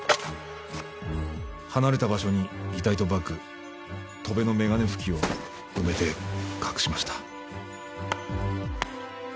離れた場所に遺体とバッグ戸辺の眼鏡拭きを埋めて隠しました。